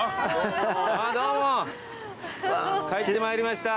帰ってまいりました。